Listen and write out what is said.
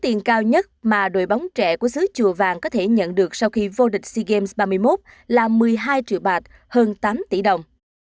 tiền cao nhất mà đội bóng trẻ của xứ chùa vàng có thể nhận được sau khi vô địch sea games ba mươi một là một mươi hai triệu bạc hơn tám tỷ đồng